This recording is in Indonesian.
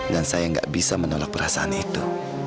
dan saya nggak bisa menolak perasaan itu